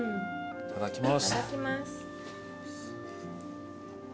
いただきます